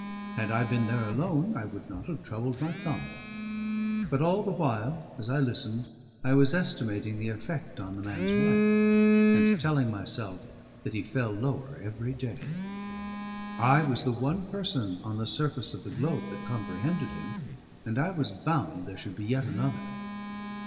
Had I been there alone, I would not have troubled my thumb; but all the while, as I listened, I was estimating the effect on the man's wife, and telling myself that he fell lower every day. I was the one person on the surface of the globe that comprehended him, and I was bound there should be yet another.